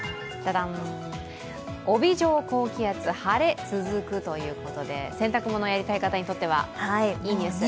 帯状高気圧、晴れ続くということで洗濯物をやりたい方にとってはいいニュース。